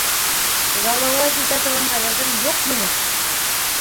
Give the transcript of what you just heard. Жалауайт итә торған ғәҙәтем юҡ минең!